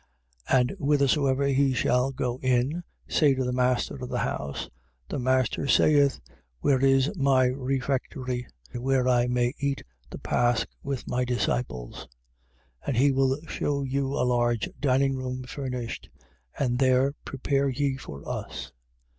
14:14. And whithersoever he shall go in, say to the master of the house, The master saith, Where is my refectory, where I may eat the pasch with my disciples? 14:15. And he will shew you a large dining room furnished. And there prepare ye for us.